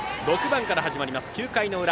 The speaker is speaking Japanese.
６番から始まります、９回の裏。